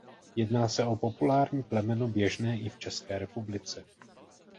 Jedná se o populární plemeno běžné i v České republice.